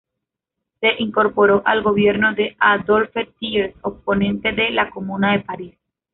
Se incorporó al gobierno de Adolphe Thiers oponente de la Comuna de París.